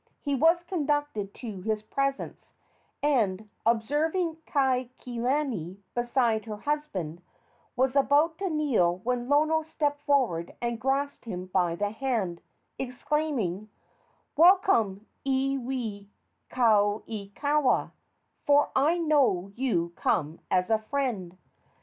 He was conducted to his presence, and, observing Kaikilani beside her husband, was about to kneel when Lono stepped forward and grasped him by the hand, exclaiming: "Welcome, Iwikauikaua, for I know you come as a friend!"